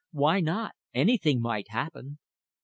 Why not? Anything might happen!